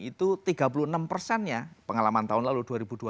itu tiga puluh enam persennya pengalaman tahun lalu dua ribu dua puluh